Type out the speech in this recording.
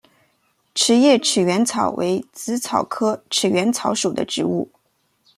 匙叶齿缘草为紫草科齿缘草属的植物。